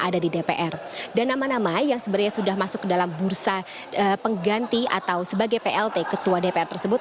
dan nama nama yang sebenarnya sudah masuk ke dalam bursa pengganti atau sebagai plt ketua dpr tersebut